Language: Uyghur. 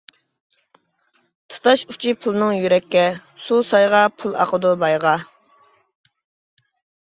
تۇتاش ئۇچى پۇلنىڭ يۈرەككە، سۇ سايغا، پۇل ئاقىدۇ بايغا.